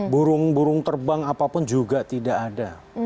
burung burung terbang apapun juga tidak ada